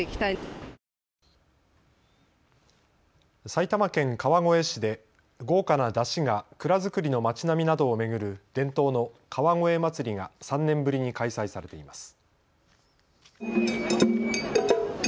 埼玉県川越市で豪華な山車が蔵造りの町並みなどを巡る伝統の川越まつりが３年ぶりに開催されています。